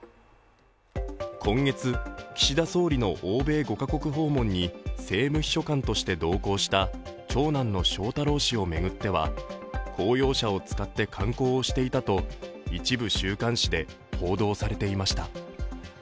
今月、岸田総理の欧米５か国訪問に政務秘書官として同行した長男の翔太郎氏を巡っては公用車を使って観光をしていたと一部週刊誌で報道されていました。